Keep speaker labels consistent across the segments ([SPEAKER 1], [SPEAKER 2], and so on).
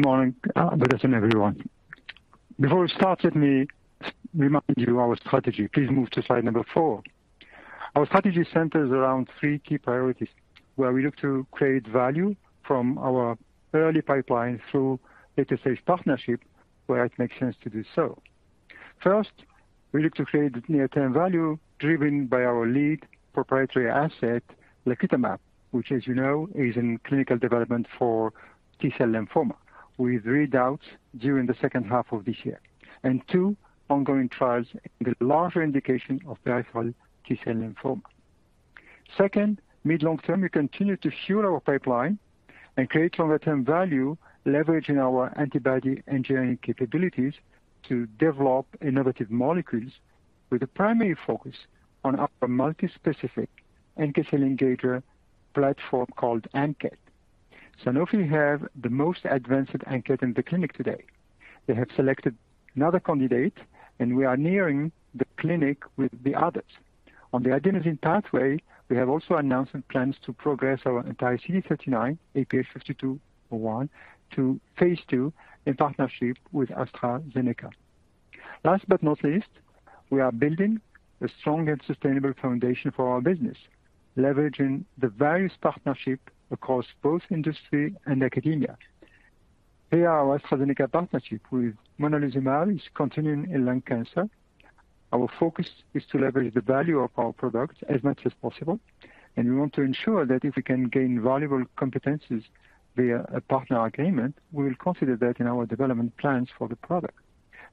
[SPEAKER 1] Good morning, good afternoon everyone. Before we start, let me remind you our strategy. Please move to slide number four. Our strategy centers around three key priorities, where we look to create value from our early pipeline through later stage partnership where it makes sense to do so. First, we look to create near-term value driven by our lead proprietary asset, lacutamab, which as you know, is in clinical development for T-cell lymphoma, with readouts during the second half of this year. Two ongoing trials in the larger indication of peripheral T-cell lymphoma. Second, mid-long term, we continue to fuel our pipeline and create longer term value, leveraging our antibody engineering capabilities to develop innovative molecules with a primary focus on our multi-specific NK-cell engager platform called ANKET. Sanofi have the most advanced ANKET in the clinic today. They have selected another candidate, and we are nearing the clinic with the others. On the adenosine pathway, we have also announced plans to progress our anti-CD39, IPH5201, to phase II in partnership with AstraZeneca. Last but not least, we are building a strong and sustainable foundation for our business, leveraging the various partnership across both industry and academia. Here, our AstraZeneca partnership with monalizumab is continuing in lung cancer. Our focus is to leverage the value of our products as much as possible, and we want to ensure that if we can gain valuable competencies via a partner agreement, we will consider that in our development plans for the product.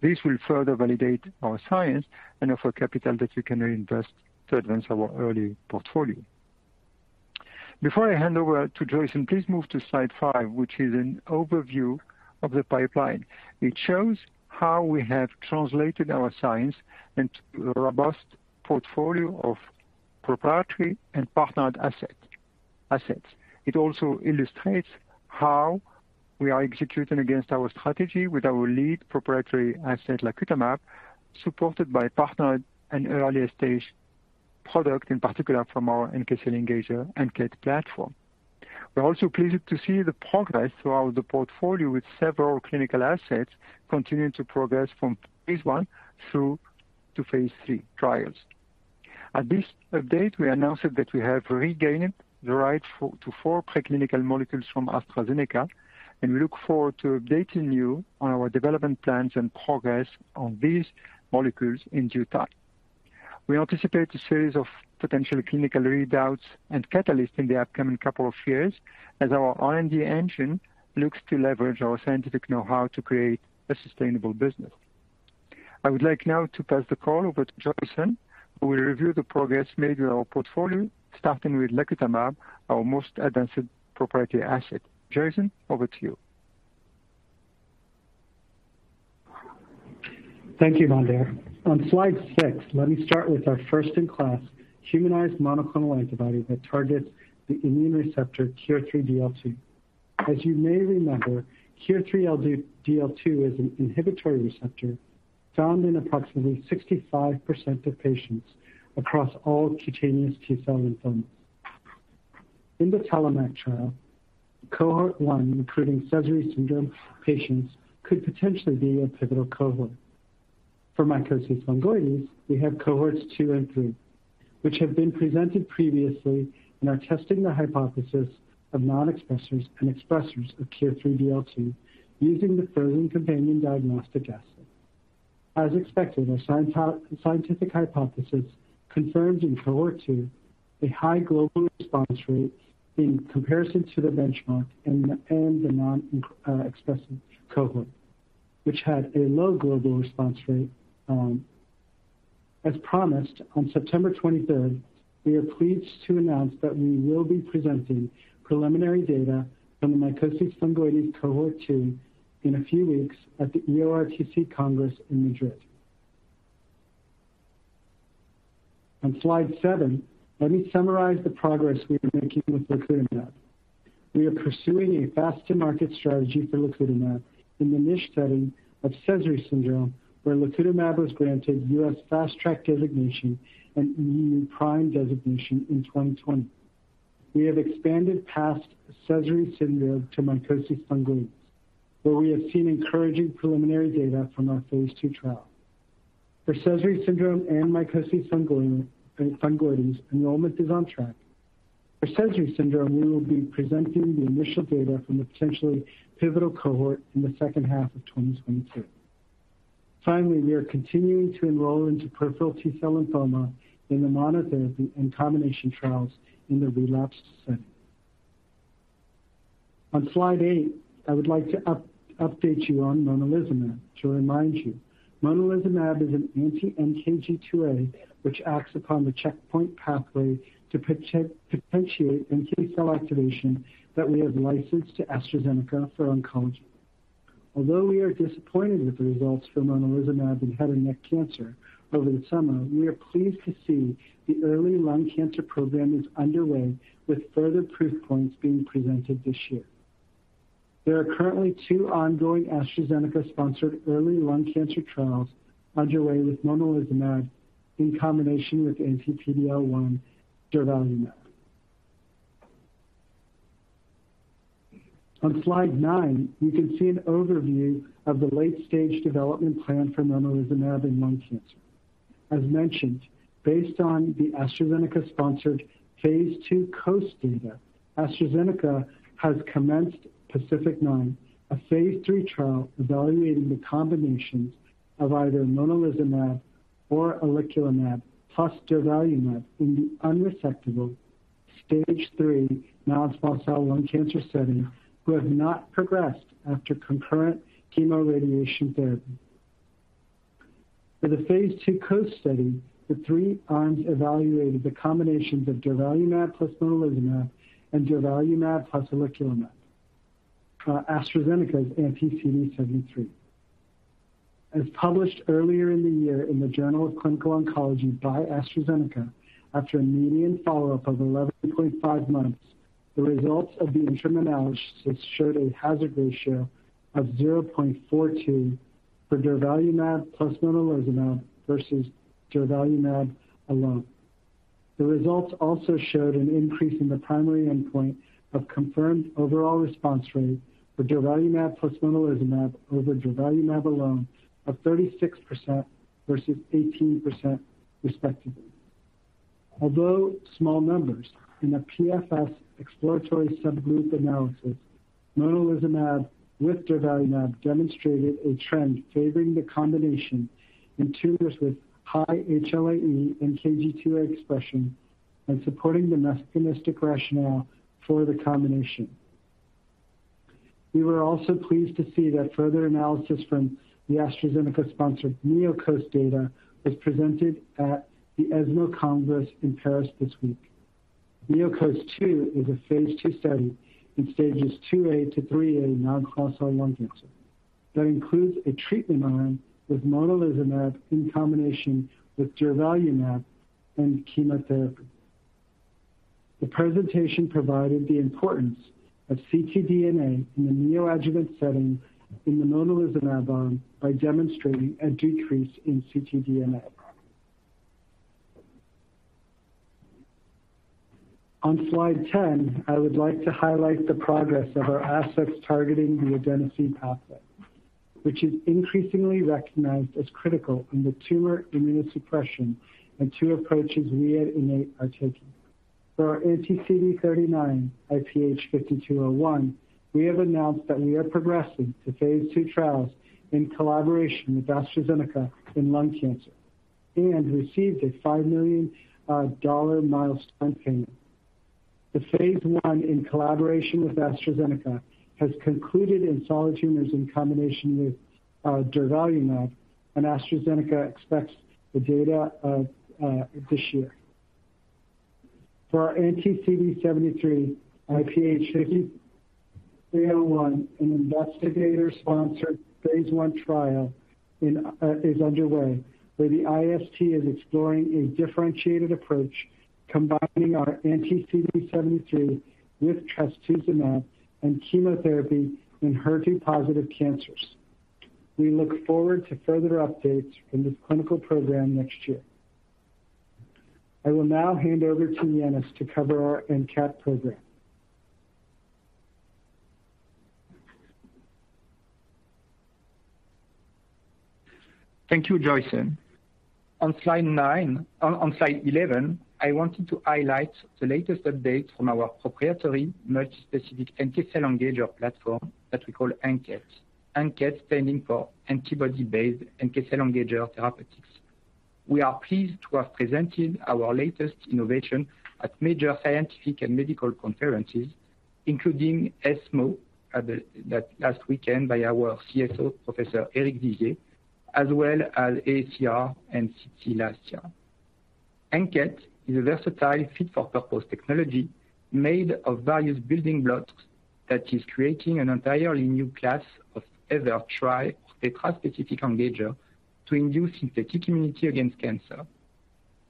[SPEAKER 1] This will further validate our science and offer capital that we can reinvest to advance our early portfolio. Before I hand over to Joyson, please move to slide five, which is an overview of the pipeline. It shows how we have translated our science into a robust portfolio of proprietary and partnered assets. It also illustrates how we are executing against our strategy with our lead proprietary asset, lacutamab, supported by partnered and earlier stage product, in particular from our NK-cell engager, ANKET platform. We're also pleased to see the progress throughout the portfolio, with several clinical assets continuing to progress from phase I through to phase III trials. At this update, we announced that we have regained the right to four preclinical molecules from AstraZeneca, and we look forward to updating you on our development plans and progress on these molecules in due time. We anticipate a series of potential clinical readouts and catalysts in the upcoming couple of years as our R&D engine looks to leverage our scientific know-how to create a sustainable business. I would like now to pass the call over to Joyson, who will review the progress made in our portfolio, starting with lacutamab, our most advanced proprietary asset. Joyson, over to you.
[SPEAKER 2] Thank you, Mondher. On slide six, let me start with our first-in-class humanized monoclonal antibody that targets the immune receptor KIR3DL2. As you may remember, KIR3DL2 is an inhibitory receptor found in approximately 65% of patients across all cutaneous T-cell lymphomas. In the TELLOMAK trial, Cohort 1, including Sézary syndrome patients, could potentially be a pivotal cohort. For mycosis fungoides, we have Cohorts 2 and 3, which have been presented previously and are testing the hypothesis of non-expressers and expressers of KIR3DL2 using the frozen companion diagnostic assay. As expected, our scientific hypothesis confirmed in Cohort 2 a high global response rate in comparison to the benchmark in the non-expressive cohort, which had a low global response rate. As promised, on September 23, we are pleased to announce that we will be presenting preliminary data from the mycosis fungoides Cohort 2 in a few weeks at the EORTC Congress in Madrid. On slide seven, let me summarize the progress we are making with lacutamab. We are pursuing a fast-to-market strategy for lacutamab in the niche setting of Sézary syndrome, where lacutamab was granted U.S. Fast Track designation and EU PRIME designation in 2020. We have expanded past Sézary syndrome to mycosis fungoides, where we have seen encouraging preliminary data from our phase II trial. For Sézary syndrome and mycosis fungoides, enrollment is on track. For Sézary syndrome, we will be presenting the initial data from the potentially pivotal cohort in the second half of 2022. Finally, we are continuing to enroll into peripheral T-cell lymphoma in the monotherapy and combination trials in the relapsed setting. On slide eight, I would like to update you on monalizumab. To remind you, monalizumab is an anti-NKG2A which acts upon the checkpoint pathway to potentiate NK cell activation that we have licensed to AstraZeneca for oncology. Although we are disappointed with the results for monalizumab in head and neck cancer over the summer, we are pleased to see the early lung cancer program is underway with further proof points being presented this year. There are currently two ongoing AstraZeneca-sponsored early lung cancer trials underway with monalizumab in combination with anti-PD-L1 durvalumab. On slide nine, you can see an overview of the late-stage development plan for monalizumab in lung cancer. As mentioned, based on the AstraZeneca-sponsored phase II COAST data, AstraZeneca has commenced PACIFIC-9, a phase III trial evaluating the combinations of either monalizumab or oleclumab plus durvalumab in the unresectable stage III non-small cell lung cancer setting who have not progressed after concurrent chemoradiation therapy. In the phase II COAST study, the three arms evaluated the combinations of durvalumab plus monalizumab and durvalumab plus oleclumab, AstraZeneca's anti-CD73. As published earlier in the year in the Journal of Clinical Oncology by AstraZeneca, after a median follow-up of 11.5 months, the results of the interim analysis showed a hazard ratio of 0.42 for durvalumab plus monalizumab versus durvalumab alone. The results also showed an increase in the primary endpoint of confirmed overall response rate for durvalumab plus monalizumab over durvalumab alone of 36% versus 18% respectively. Although small numbers in the PFS exploratory subgroup analysis, monalizumab with durvalumab demonstrated a trend favoring the combination in tumors with high HLA-E and NKG2A expression and supporting the mechanistic rationale for the combination. We were also pleased to see that further analysis from the AstraZeneca sponsored NeoCOAST data was presented at the ESMO Congress in Paris this week. NeoCOAST-2 is a phase II study in stages II-A to III-A non-small cell lung cancer. That includes a treatment arm with monalizumab in combination with durvalumab and chemotherapy. The presentation provided the importance of ctDNA in the neoadjuvant setting in the monalizumab arm by demonstrating a decrease in ctDNA. On slide 10, I would like to highlight the progress of our assets targeting the adenosine pathway, which is increasingly recognized as critical in the tumor immunosuppression and two approaches we at Innate are taking. For our anti-CD39, IPH5201, we have announced that we are progressing to phase II trials in collaboration with AstraZeneca in lung cancer and received a $5 million milestone payment. The phase I in collaboration with AstraZeneca has concluded in solid tumors in combination with durvalumab, and AstraZeneca expects the data this year. For our anti-CD73, IPH5301, an investigator-sponsored phase I trial is underway, where the IST is exploring a differentiated approach, combining our anti-CD73 with trastuzumab and chemotherapy in HER2-positive cancers. We look forward to further updates from this clinical program next year. I will now hand over to Yannis to cover our ANKET program.
[SPEAKER 3] Thank you, Joyson. On slide 11, I wanted to highlight the latest update from our proprietary multi-specific NK cell engager platform that we call ANKET. ANKET standing for antibody-based NK cell engager therapeutics. We are pleased to have presented our latest innovation at major scientific and medical conferences, including ESMO last weekend by our CSO, Professor Eric Vivier, as well as AACR and SITC last year. ANKET is a versatile fit-for-purpose technology made of various building blocks that is creating an entirely new class of either tri or tetraspecific engager to induce synthetic immunity against cancer.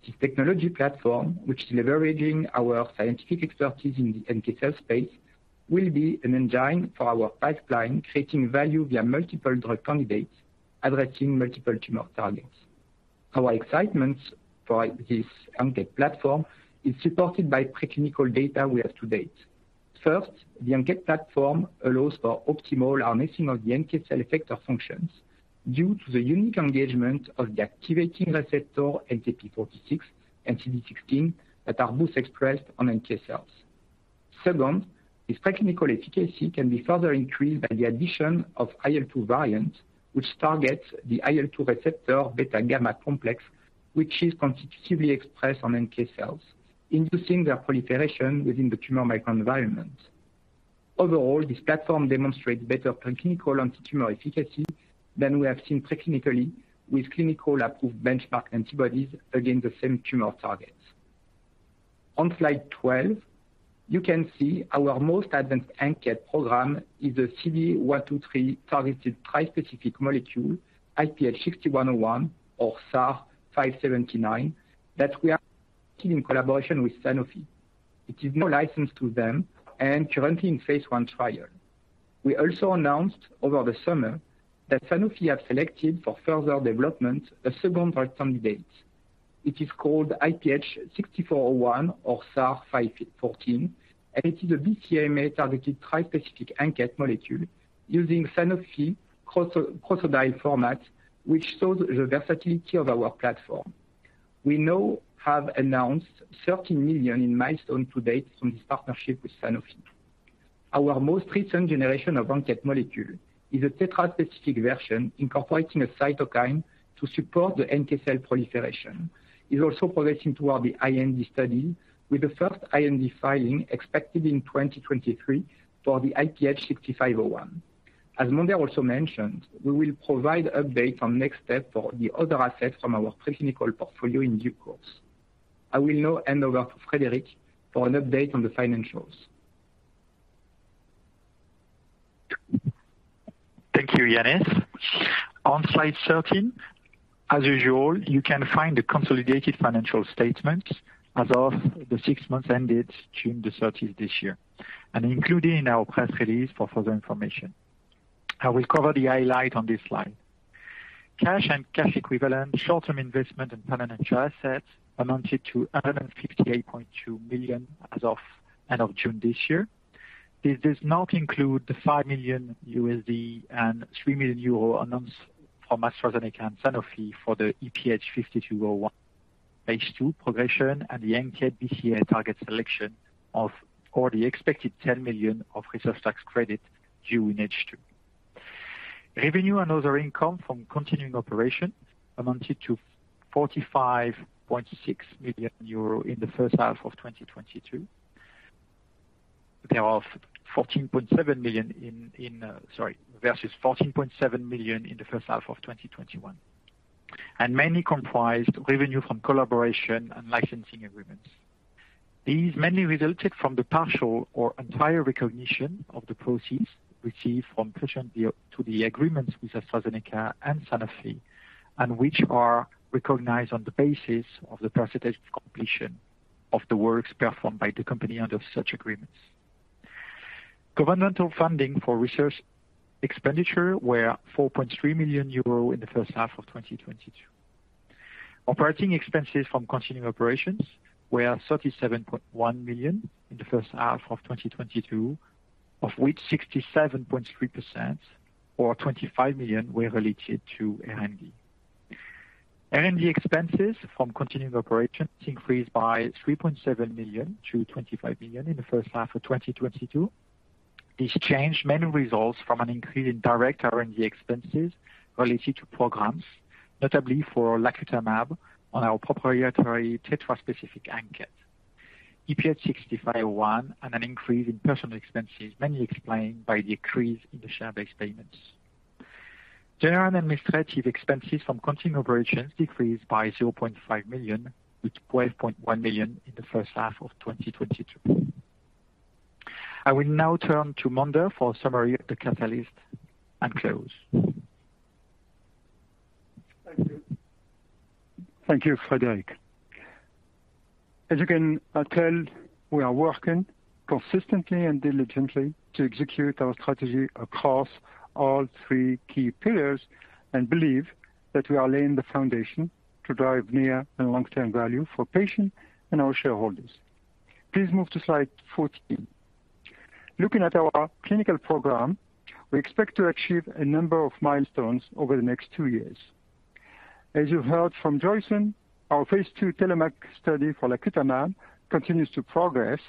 [SPEAKER 3] This technology platform, which is leveraging our scientific expertise in the NK cell space, will be an engine for our pipeline, creating value via multiple drug candidates addressing multiple tumor targets. Our excitement for this ANKET platform is supported by preclinical data we have to date. First, the ANKET platform allows for optimal harnessing of the NK cell effector functions due to the unique engagement of the activating receptor NKp46 and CD16 that are both expressed on NK cells. Second, this preclinical efficacy can be further increased by the addition of IL-2 variants which target the IL-2 receptor beta gamma complex, which is constitutively expressed on NK cells, inducing their proliferation within the tumor microenvironment. Overall, this platform demonstrates better preclinical antitumor efficacy than we have seen preclinically with clinically approved benchmark antibodies against the same tumor targets. On slide 12, you can see our most advanced ANKET program is a CD123 targeted trispecific molecule, IPH6101 or SAR 443579, that we are in collaboration with Sanofi, which is now licensed to them and currently in phase I trial. We also announced over the summer that Sanofi have selected for further development a second ANKET candidate. It is called IPH6401 or SAR 445514, and it is a BCMA targeted tri-specific ANKET molecule using Sanofi's prototype format, which shows the versatility of our platform. We now have announced 13 million in milestone to date from this partnership with Sanofi. Our most recent generation of ANKET molecule is a tetra-specific version incorporating a cytokine to support the NK cell proliferation, is also progressing toward the IND study with the first IND filing expected in 2023 for the IPH6501. As Mondher also mentioned, we will provide update on next step for the other assets from our preclinical portfolio in due course. I will now hand over to Frédéric for an update on the financials.
[SPEAKER 4] Thank you, Yannis. On slide 13, as usual, you can find the consolidated financial statements as of the six months ended June 30 this year, and including our press release for further information. I will cover the highlight on this slide. Cash and cash equivalent, short-term investment and permanent share assets amounted to 158.2 million as of end of June this year. This does not include the $5 million and 3 million euro announced from AstraZeneca and Sanofi for the IPH5201 H2 progression and the ANKET BCMA target selection, or the expected 10 million of research tax credit due in H2. Revenue and other income from continuing operation amounted to 45.6 million euro in the first half of 2022. There are 14.7 million versus 14.7 million in the first half of 2021, and mainly comprised revenue from collaboration and licensing agreements. These mainly resulted from the partial or entire recognition of the proceeds received from payments under the agreements with AstraZeneca and Sanofi, and which are recognized on the basis of the percentage completion of the works performed by the company under such agreements. Governmental funding for research expenditure were 4.3 million euro in the first half of 2022. Operating expenses from continuing operations were 37.1 million in the first half of 2022, of which 67.3% or 25 million were related to R&D. R&D expenses from continuing operations increased by 3.7 million to 25 million in the first half of 2022. This change mainly results from an increase in direct R&D expenses related to programs, notably for lacutamab on our proprietary tetra-specific ANKET, IPH6501, and an increase in personnel expenses mainly explained by the increase in the share-based payments. General administrative expenses from continuing operations decreased by 0.5 million to 12.1 million in the first half of 2022. I will now turn to Mondher for summary of the catalyst and close.
[SPEAKER 1] Thank you. Thank you, Frédéric. As you can tell, we are working consistently and diligently to execute our strategy across all three key pillars and believe that we are laying the foundation to drive near and long-term value for patients and our shareholders. Please move to slide 14. Looking at our clinical program, we expect to achieve a number of milestones over the next two years. As you heard from Joyson, our phase II TELLOMAK study for lacutamab continues to progress.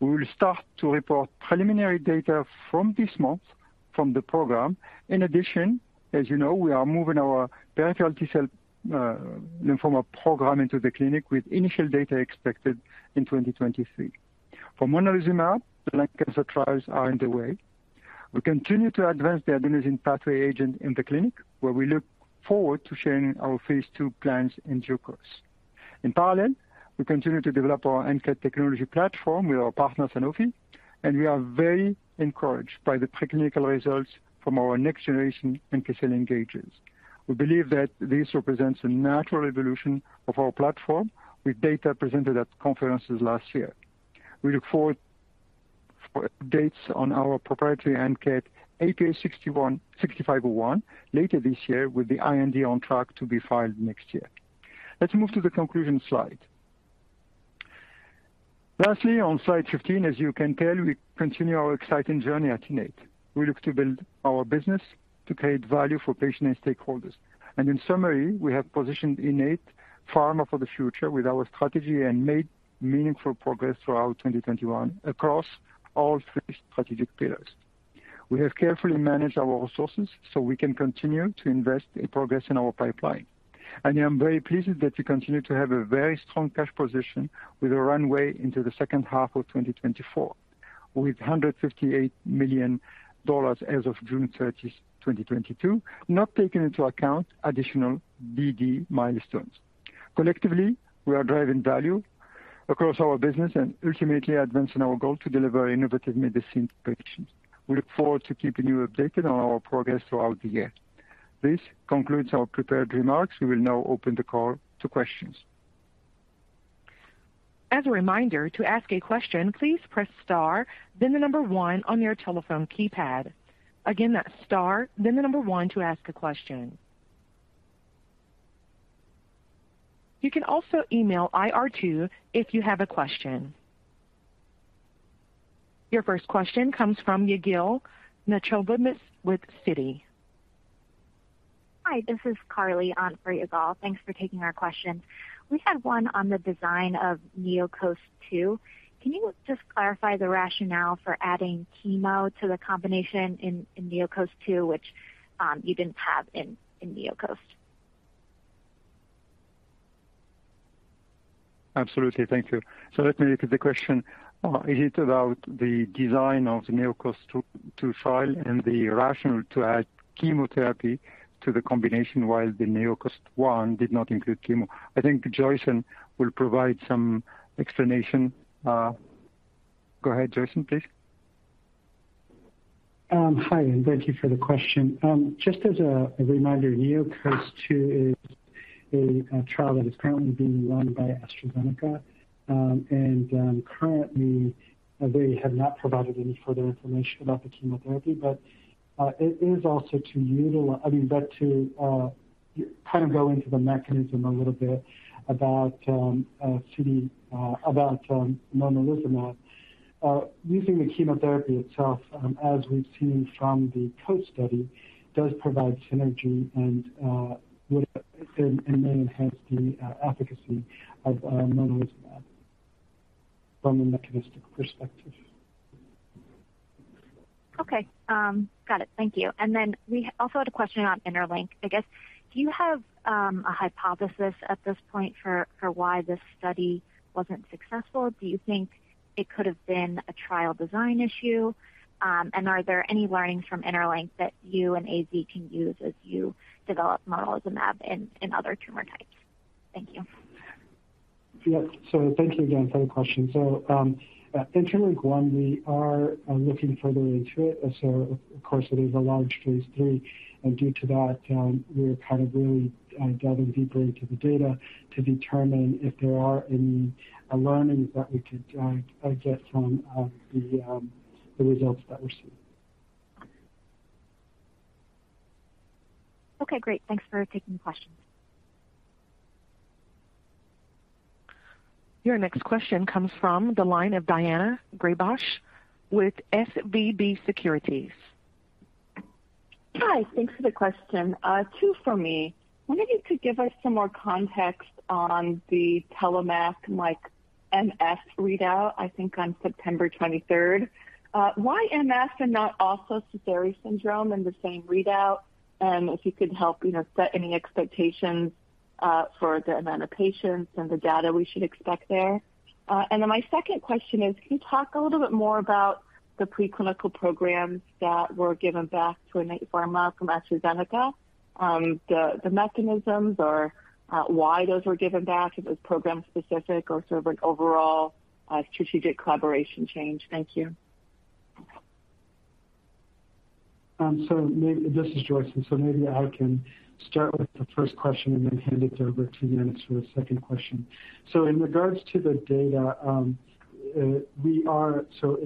[SPEAKER 1] We will start to report preliminary data from this month from the program. In addition, as you know, we are moving our peripheral T-cell lymphoma program into the clinic with initial data expected in 2023. For monalizumab, the lung cancer trials are underway. We continue to advance the adenosine pathway agent in the clinic, where we look forward to sharing our phase II plans in due course. In parallel, we continue to develop our ANKET technology platform with our partner, Sanofi, and we are very encouraged by the preclinical results from our next generation NK cell engagers. We believe that this represents a natural evolution of our platform with data presented at conferences last year. We look forward to updates on our proprietary ANKET IPH6101, IPH6501 later this year with the IND on track to be filed next year. Let's move to the conclusion slide. Lastly, on slide 15, as you can tell, we continue our exciting journey at Innate. We look to build our business to create value for patients and stakeholders. In summary, we have positioned Innate Pharma for the future with our strategy and made meaningful progress throughout 2021 across all three strategic pillars. We have carefully managed our resources so we can continue to invest and progress in our pipeline. I am very pleased that we continue to have a very strong cash position with a runway into the second half of 2024, with $158 million as of June 30th, 2022, not taking into account additional BD milestones. Collectively, we are driving value across our business and ultimately advancing our goal to deliver innovative medicine to patients. We look forward to keeping you updated on our progress throughout the year. This concludes our prepared remarks. We will now open the call to questions.
[SPEAKER 5] As a reminder, to ask a question, please press star then the number one on your telephone keypad. Again, that's star then the number one to ask a question. You can also email IR team if you have a question. Your first question comes from Yigal Nochomovitz with Citi.
[SPEAKER 6] Hi, this is Carly on for Yigal. Thanks for taking our question. We had one on the design of NeoCOAST-2. Can you just clarify the rationale for adding chemo to the combination in NeoCOAST-2, which you didn't have in NeoCOAST?
[SPEAKER 1] Absolutely. Thank you. Let me repeat the question. Is it about the design of the NeoCOAST-2 trial and the rationale to add chemotherapy to the combination, while the NeoCOAST-1 did not include chemo? I think Joyson will provide some explanation. Go ahead, Joyson, please.
[SPEAKER 2] Hi, thank you for the question. Just as a reminder, NeoCOAST-2 is a trial that is currently being run by AstraZeneca. Currently, they have not provided any further information about the chemotherapy. It is also to utilize. I mean, but to kind of go into the mechanism a little bit about CD about monalizumab. Using the chemotherapy itself, as we've seen from the COAST study, does provide synergy and it may enhance the efficacy of monalizumab from a mechanistic perspective.
[SPEAKER 6] Okay. Got it. Thank you. We also had a question on INTERLINK-1, I guess. Do you have a hypothesis at this point for why this study wasn't successful? Do you think it could have been a trial design issue? Are there any learnings from INTERLINK-1 that you and AZ can use as you develop monalizumab in other tumor types? Thank you.
[SPEAKER 2] Yes. Thank you again for the question. At INTERLINK-1, we are looking further into it. Of course it is a large phase III, and due to that, we're kind of really delving deeper into the data to determine if there are any learnings that we could get from the results that we're seeing.
[SPEAKER 6] Okay, great. Thanks for taking the questions.
[SPEAKER 5] Your next question comes from the line of Daina Graybosch with SVB Securities.
[SPEAKER 7] Hi. Thanks for the question. Two from me. Wondering if you could give us some more context on the TELLOMAK, like MF readout, I think, on September 23. Why MF and not also Sézary syndrome in the same readout? If you could help, you know, set any expectations for the amount of patients and the data we should expect there. My second question is, can you talk a little bit more about the preclinical programs that were given back to Innate Pharma from AstraZeneca? The mechanisms or why those were given back, if it's program specific or sort of an overall strategic collaboration change? Thank you.
[SPEAKER 2] This is Joyson. Maybe I can start with the first question and then hand it over to Yannis for the second question. In regards to the data, in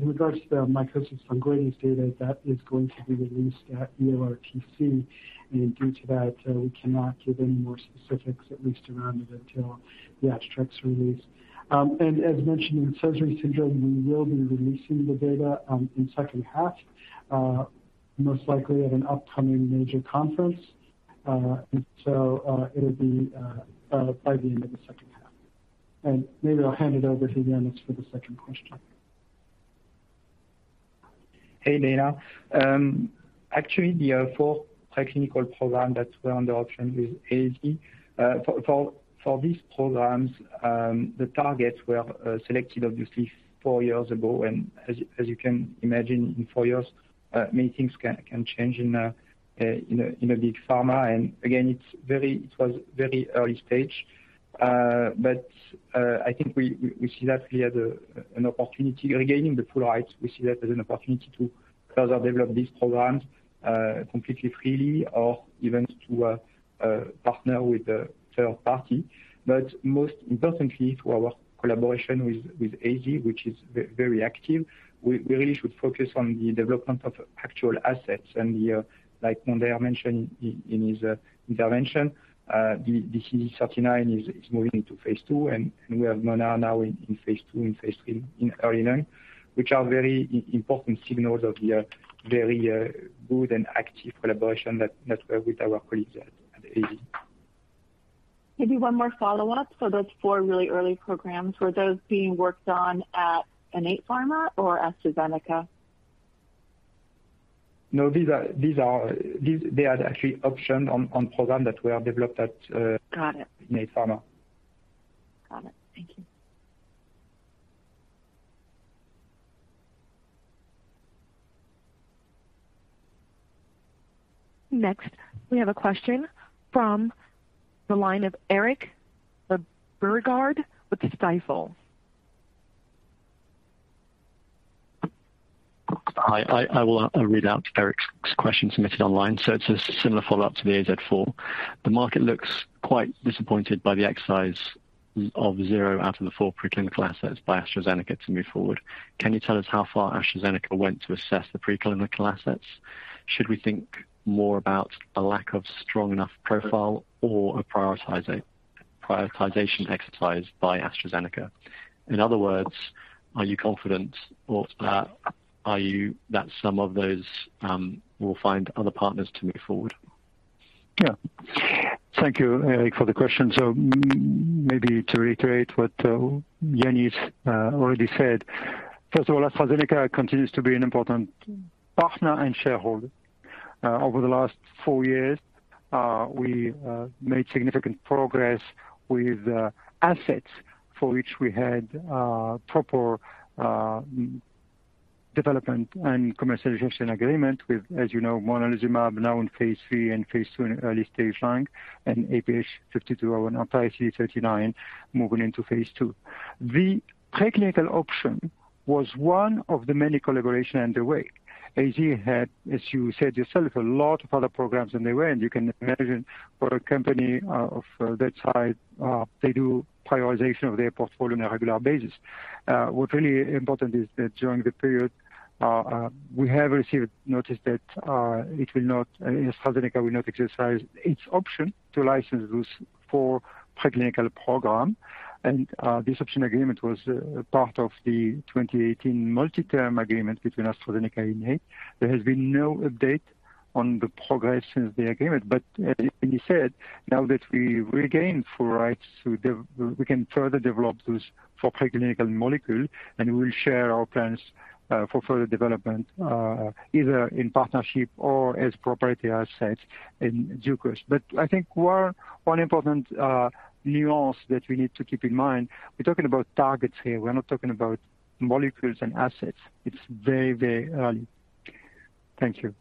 [SPEAKER 2] regards to the mycosis fungoides data, that is going to be released at EORTC, and due to that, we cannot give any more specifics, at least around it until the abstract release. And as mentioned in Sézary syndrome, we will be releasing the data, in second half, most likely at an upcoming major conference. It'll be by the end of the second half. Maybe I'll hand it over to Yannis for the second question.
[SPEAKER 3] Hey, Daina. Actually, the four preclinical program that were under option with AZ. For these programs, the targets were selected obviously four years ago. As you can imagine, in four years, many things can change in a big pharma. Again, it was very early stage. I think we see that we had an opportunity regaining the full right. We see that as an opportunity to further develop these programs completely freely or even to partner with a third party. Most importantly, through our collaboration with AZ, which is very active, we really should focus on the development of actual assets. Here, like Mondher mentioned in his intervention, the CD39 is moving into phase II, and we have monalizumab now in phase II and phase III in early NSCLC, which are very important signals of the very good and active collaboration with our colleagues at AZ.
[SPEAKER 7] Maybe one more follow-up. Those four really early programs, were those being worked on at Innate Pharma or AstraZeneca?
[SPEAKER 3] No, these are. They are actually optioned on program that were developed at
[SPEAKER 7] Got it.
[SPEAKER 3] Innate Pharma.
[SPEAKER 7] Got it. Thank you.
[SPEAKER 5] Next, we have a question from the line of Eric Le Berrigaud with Stifel.
[SPEAKER 8] Hi, I will read out Eric's question submitted online. It's a similar follow-up to the [AZ] four. The market looks quite disappointed by the exercise of zero out of the four preclinical assets by AstraZeneca to move forward. Can you tell us how far AstraZeneca went to assess the preclinical assets? Should we think more about a lack of strong enough profile or a prioritization exercise by AstraZeneca? In other words, are you confident that some of those will find other partners to move forward?
[SPEAKER 1] Yeah. Thank you, Eric, for the question. Maybe to reiterate what Yannis already said. First of all, AstraZeneca continues to be an important partner and shareholder. Over the last four years, we made significant progress with assets for which we had proper development and commercialization agreement with, as you know, monalizumab now in phase III and phase II in early-stage NSCLC, and IPH5201 or anti-CD39 moving into phase II. The preclinical option was one of the many collaborations underway. AZ had, as you said yourself, a lot of other programs underway, and you can imagine for a company of that size, they do prioritization of their portfolio on a regular basis. What really important is that during the period, we have received notice that AstraZeneca will not exercise its option to license those 4 preclinical programs. This option agreement was part of the 2018 multi-term agreement between AstraZeneca and Innate. There has been no update on the progress since the agreement. As Yannis said, now that we regained full rights to develop we can further develop those four preclinical molecules, and we will share our plans for further development, either in partnership or as proprietary assets in due course. I think one important nuance that we need to keep in mind, we're talking about targets here. We're not talking about molecules and assets. It's very, very early. Thank you.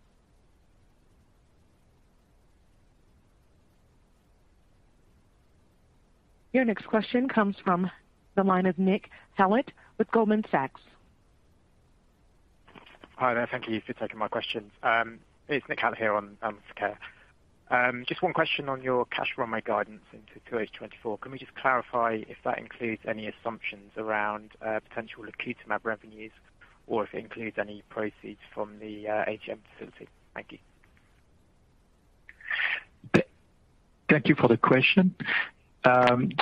[SPEAKER 5] Your next question comes from the line of Nick Hallett with Goldman Sachs.
[SPEAKER 9] Hi there. Thank you for taking my questions. It's Nick Hallett here on, with Keir. Just one question on your cash runway guidance into 2H 2024. Can we just clarify if that includes any assumptions around, potential lacutamab revenues or if it includes any proceeds from the, ATM facility? Thank you.
[SPEAKER 2] Thank you for the question. We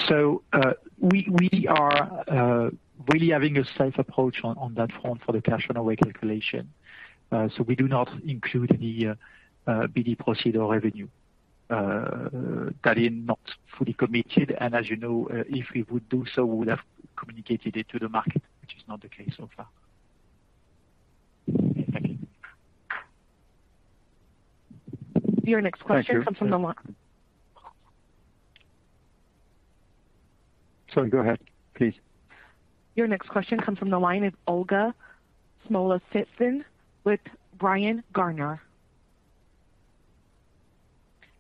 [SPEAKER 2] are really having a safe approach on that front for the cash runway calculation. We do not include any BD procedure revenue that is not fully committed. As you know, if we would do so, we would have communicated it to the market, which is not the case so far.
[SPEAKER 9] Thank you.
[SPEAKER 5] Your next question comes from the line.
[SPEAKER 1] Sorry, go ahead, please.
[SPEAKER 5] Your next question comes from the line of Olga Smolentseva with Bryan Garnier.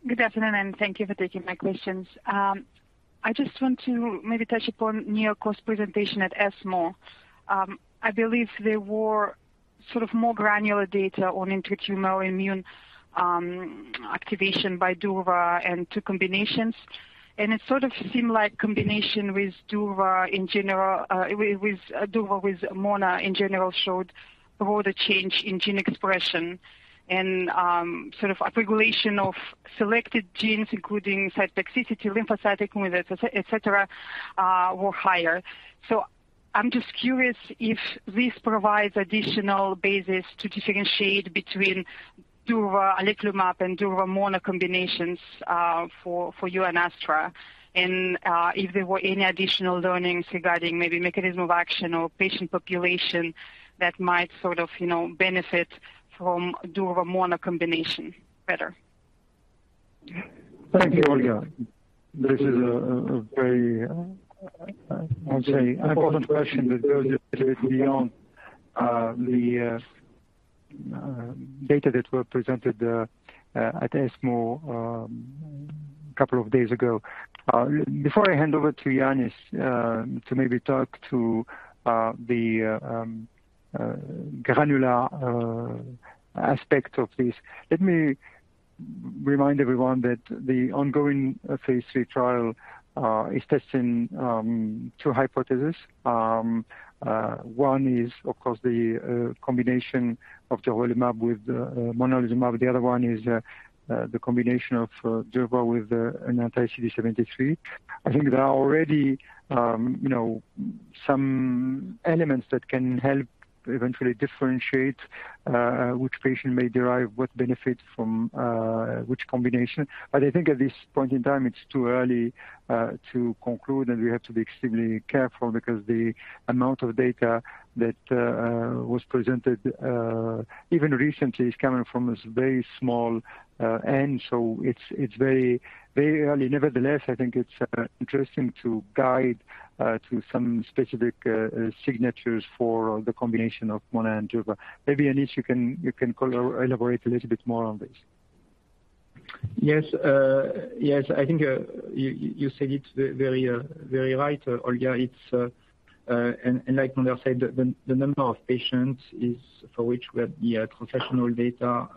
[SPEAKER 10] Good afternoon, and thank you for taking my questions. I just want to maybe touch upon NeoCOAST presentation at ESMO. I believe there were sort of more granular data on intra-tumoral immune activation by durva and two combinations. It sort of seemed like combination with durva in general, with durva with monalizumab in general showed broader change in gene expression and sort of up-regulation of selected genes, including cytotoxicity, lymphatic etcetera, were higher. I'm just curious if this provides additional basis to differentiate between durvalumab-oleclumab and durvalumab-monalizumab combinations, for you and Astra. If there were any additional learnings regarding maybe mechanism of action or patient population that might sort of, you know, benefit from durvalumab- monalizumab combination better.
[SPEAKER 1] Thank you, Olga. This is a very, I'll say, an important question that goes a bit beyond the data that were presented at ESMO couple of days ago. Before I hand over to Yannis to maybe talk to the granular aspect of this, let me remind everyone that the ongoing phase III trial is testing two hypothesis. One is, of course, the combination of durvalumab with monalizumab. The other one is the combination of durva with an anti-CD73. I think there are already, you know, some elements that can help eventually differentiate which patient may derive what benefit from which combination. I think at this point in time, it's too early to conclude, and we have to be extremely careful because the amount of data that was presented even recently is coming from this very small end. It's very early. Nevertheless, I think it's interesting to guide to some specific signatures for the combination of monalizumab and durvalumab. Maybe Yannis you can elaborate a little bit more on this.
[SPEAKER 3] Yes. Yes, I think you said it very right, Olga. As Mondher said, the number of patients for which we have the pharmacodynamic data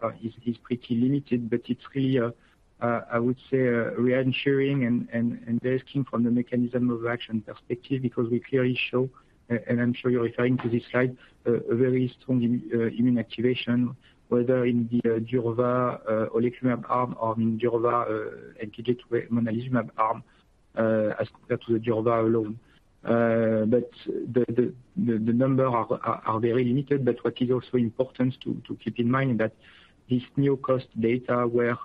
[SPEAKER 3] is pretty limited, but it's clear, I would say reassuring and encouraging from the mechanism of action perspective because we clearly show, and I'm sure you're referring to this slide, a very strong immune activation, whether in the durvalumab-oleclumab arm or in durvalumab anti-NKG2A monalizumab arm, as compared to the durvalumab alone. The numbers are very limited. What is also important to keep in mind that this NeoCOAST data where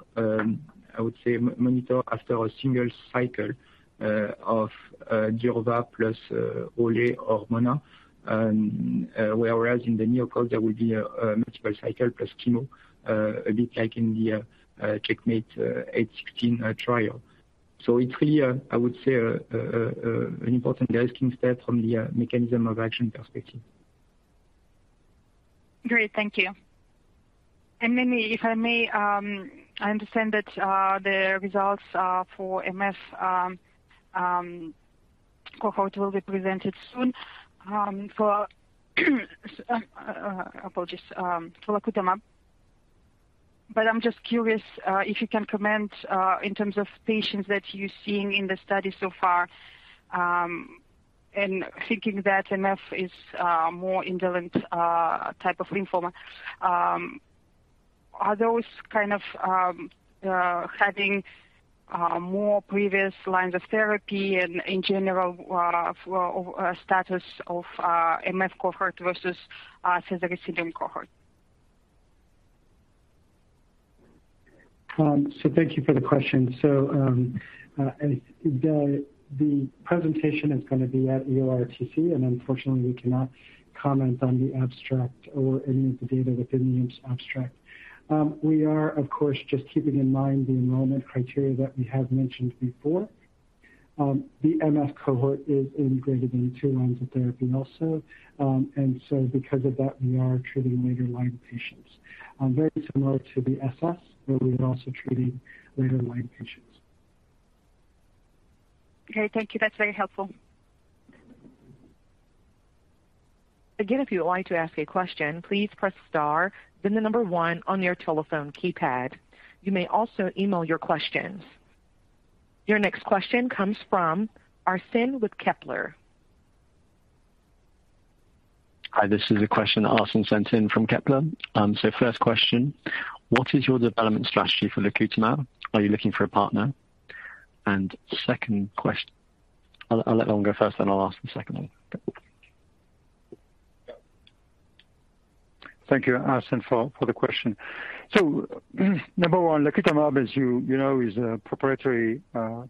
[SPEAKER 3] I would say monitored after a single cycle of durvalumab plus oleclumab or monalizumab, and whereas in the NeoCOAST there will be a multiple cycle plus chemo, a bit like in the CheckMate 816 trial. It's clear, I would say, an important risking step from the mechanism of action perspective.
[SPEAKER 10] Great. Thank you. If I may, I understand that the results for MF cohort will be presented soon, for apologies, for lacutamab. I'm just curious if you can comment in terms of patients that you're seeing in the study so far, and thinking that MF is a more indolent type of lymphoma, are those kind of having more previous lines of therapy and in general status of MF cohort versus Sézary syndrome cohort?
[SPEAKER 2] Thank you for the question. The presentation is gonna be at EORTC, and unfortunately we cannot comment on the abstract or any of the data within the abstract. We are of course just keeping in mind the enrollment criteria that we have mentioned before. The MF cohort is integrated in two lines of therapy also. Because of that, we are treating later line patients very similar to the SS, where we are also treating later line patients.
[SPEAKER 10] Okay. Thank you. That's very helpful.
[SPEAKER 5] Again, if you would like to ask a question, please press star then the number one on your telephone keypad. You may also email your questions. Your next question comes from Arsène Guekam with Kepler Cheuvreux.
[SPEAKER 8] Hi, this is a question Arsène sent in from Kepler. So first question, what is your development strategy for leucatamab? Are you looking for a partner? I'll let Laurent go first, then I'll ask the second one.
[SPEAKER 1] Thank you, Arsène, for the question. Number one, lacutamab, as you know, is a proprietary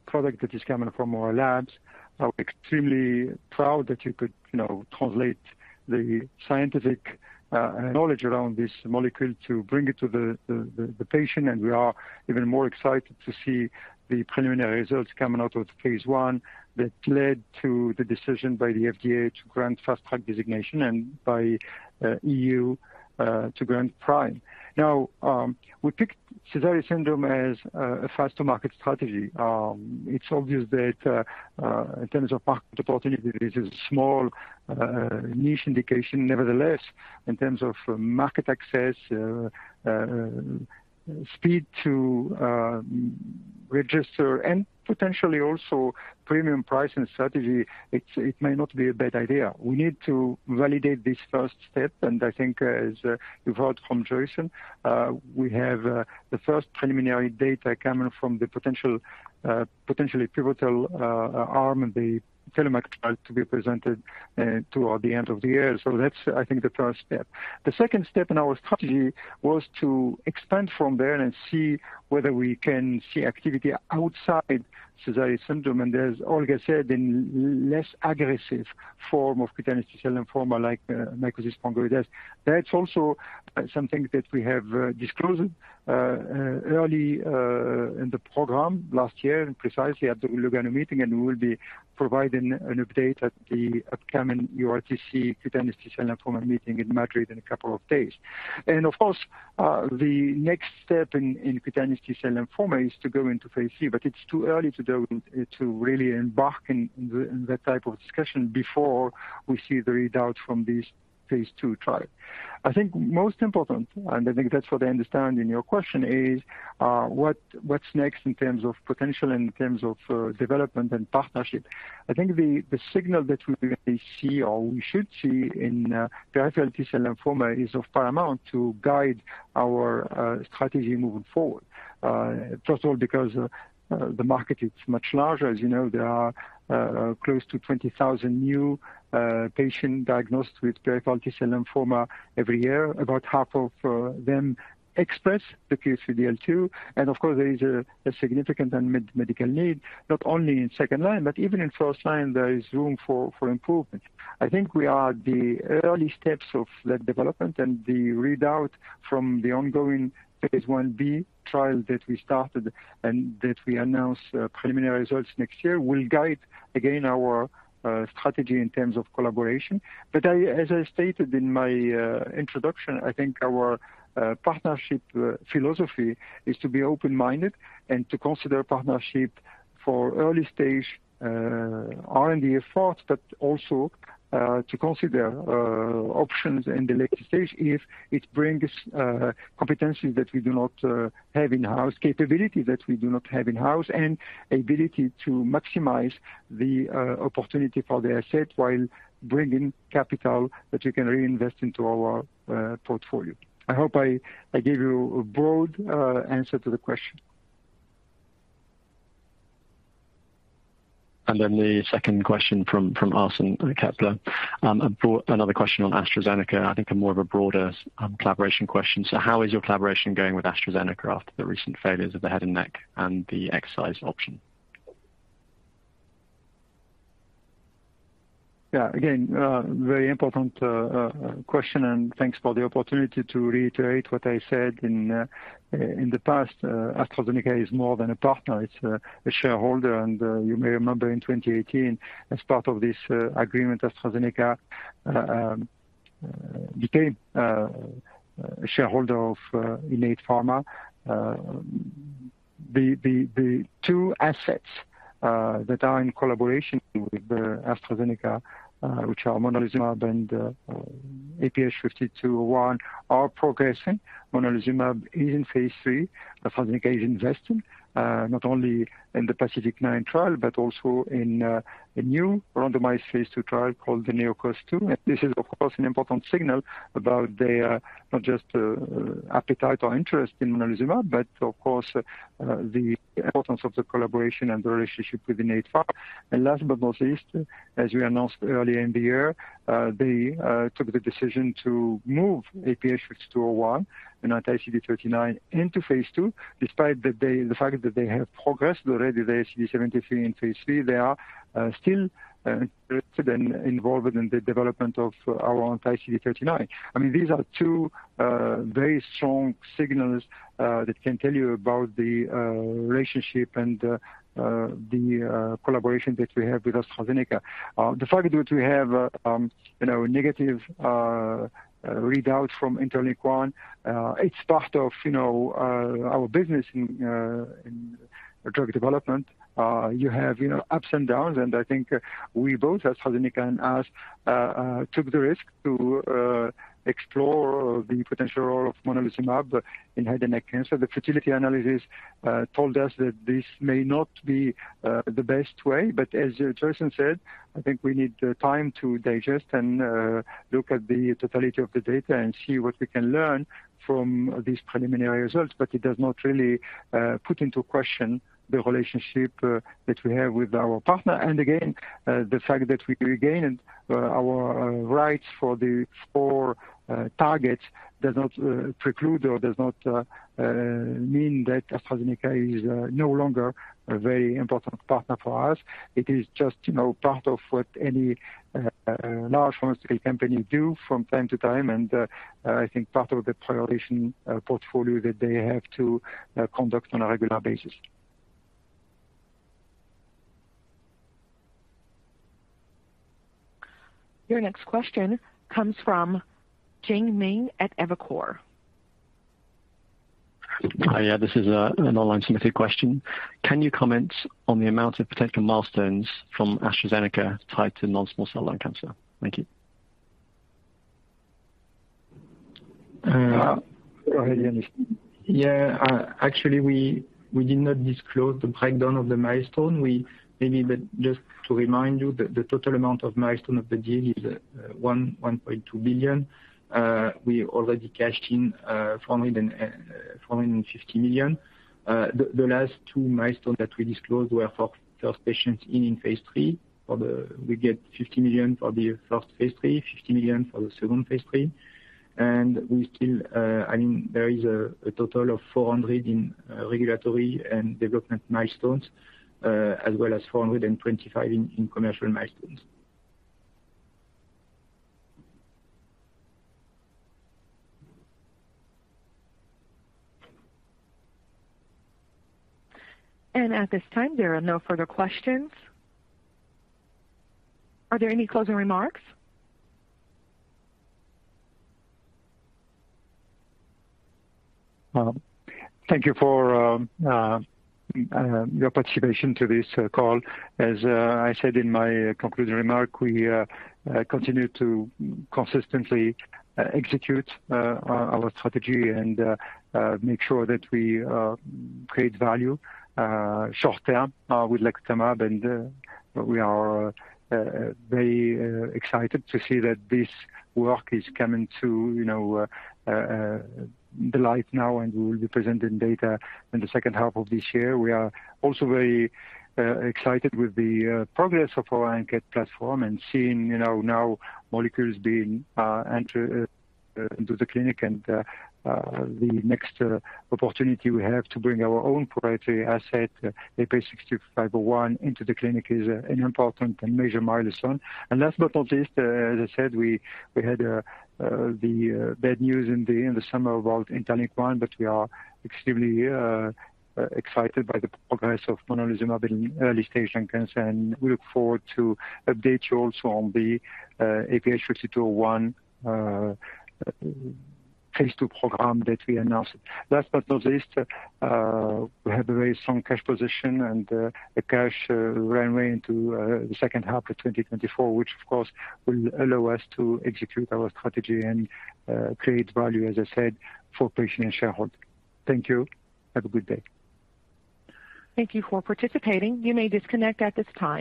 [SPEAKER 1] product that is coming from our labs. We're extremely proud that you could, you know, translate the scientific knowledge around this molecule to bring it to the patient. We are even more excited to see the preliminary results coming out of phase I that led to the decision by the FDA to grant Fast Track designation and by EMA to grant PRIME. Now, we picked Sézary syndrome as a faster market strategy. It's obvious that in terms of market opportunity, this is a small niche indication. Nevertheless, in terms of market access, speed to register and potentially also premium pricing strategy, it may not be a bad idea. We need to validate this first step, and I think as you've heard from Joyson, we have the first preliminary data coming from the potentially pivotal arm of the TELLOMAK trial to be presented toward the end of the year. That's, I think, the first step. The second step in our strategy was to expand from there and see whether we can see activity outside Sézary syndrome. As Olga said, in less aggressive form of cutaneous T-cell lymphoma like mycosis fungoides. That's also something that we have disclosed early in the program last year, and precisely at the Lugano meeting, and we will be providing an update at the upcoming EORTC cutaneous T-cell lymphoma meeting in Madrid in a couple of days. Of course, the next step in cutaneous T-cell lymphoma is to go into phase III, but it's too early to really embark in that type of discussion before we see the readout from this phase II trial. I think most important, and I think that's what I understand in your question, is what's next in terms of potential and in terms of development and partnership. I think the signal that we really see or we should see in peripheral T-cell lymphoma is paramount to guide our strategy moving forward. First of all, because the market is much larger. As you know, there are close to 20,000 new patients diagnosed with peripheral T-cell lymphoma every year. About half of them express the PD-L2. Of course, there is a significant unmet medical need, not only in second line, but even in first line, there is room for improvement. I think we are at the early steps of that development and the readout from the ongoing phase I-B trial that we started and that we announce preliminary results next year will guide again our strategy in terms of collaboration. I, as I stated in my introduction, I think our partnership philosophy is to be open-minded and to consider partnership for early stage R&D efforts, but also to consider options in the later stage if it brings competencies that we do not have in-house, capability that we do not have in-house, and ability to maximize the opportunity for the asset while bringing capital that we can reinvest into our portfolio. I hope I gave you a broad answer to the question.
[SPEAKER 8] The second question from Arsène at Kepler Cheuvreux. I brought another question on AstraZeneca. I think a more of a broader collaboration question. How is your collaboration going with AstraZeneca after the recent failures of the head and neck and the exercise option?
[SPEAKER 1] Yeah. Again, very important question, and thanks for the opportunity to reiterate what I said in the past. AstraZeneca is more than a partner, it's a shareholder. You may remember in 2018 as part of this agreement, AstraZeneca became a shareholder of Innate Pharma. The two assets that are in collaboration with AstraZeneca, which are monalizumab and IPH5201, are progressing. Monalizumab is in phase III. AstraZeneca is investing not only in the PACIFIC-9 trial, but also in a new randomized phase II trial called the NeoCOAST-2. This is, of course, an important signal about their not just appetite or interest in monalizumab, but of course the importance of the collaboration and the relationship with Innate Pharma. Last but not least, as we announced earlier in the year, they took the decision to move IPH5201, our anti-CD39, into phase II. Despite the fact that they have progressed already the CD73 in phase III, they are still interested and involved in the development of our anti-CD39. I mean, these are two very strong signals that can tell you about the relationship and the collaboration that we have with AstraZeneca. The fact that we have, you know, negative readouts from INTERLINK-1, it's part of, you know, our business in drug development. You have, you know, ups and downs. I think we both, AstraZeneca and us, took the risk to explore the potential role of monalizumab in head and neck cancer. The futility analysis told us that this may not be the best way. As Joyson said, I think we need time to digest and look at the totality of the data and see what we can learn from these preliminary results. It does not really put into question the relationship that we have with our partner. The fact that we regained our rights for the four targets does not preclude or mean that AstraZeneca is no longer a very important partner for us. It is just, you know, part of what any large pharmaceutical company do from time to time. I think part of the priorities portfolio that they have to conduct on a regular basis.
[SPEAKER 5] Your next question comes from Jingming at Evercore.
[SPEAKER 11] Hi. Yeah, this is an online submitted question. Can you comment on the amount of potential milestones from AstraZeneca tied to non-small cell lung cancer? Thank you.
[SPEAKER 1] Uh. Go ahead, Yannis.
[SPEAKER 3] Yeah. Actually, we did not disclose the breakdown of the milestone. We may be but just to remind you the total amount of milestone of the deal is 1.2 billion. We already cashed in 450 million. The last two milestones that we disclosed were for first patients in phase III. We get 50 million for the first phase III, 50 million for the second phase III. We still, I mean, there is a total of 400 million in regulatory and development milestones, as well as 425 million in commercial milestones.
[SPEAKER 5] At this time, there are no further questions. Are there any closing remarks?
[SPEAKER 1] Thank you for your participation to this call. As I said in my concluding remark, we continue to consistently execute our strategy and make sure that we create value short term with lacutamab. We are very excited to see that this work is coming to you know the light now, and we will be presenting data in the second half of this year. We are also very excited with the progress of our ANKET platform and seeing you know now molecules being enter into the clinic. The next opportunity we have to bring our own proprietary asset, IPH6501 into the clinic is an important and major milestone. Last but not least, as I said, we had the bad news in the summer about IL-2. We are extremely excited by the progress of monalizumab in early stage lung cancer. We look forward to update you also on the IPH5201 phase II program that we announced. Last but not least, we have a very strong cash position and a cash runway into the second half of 2024, which of course will allow us to execute our strategy and create value, as I said, for patients and shareholders. Thank you. Have a good day.
[SPEAKER 5] Thank you for participating. You may disconnect at this time.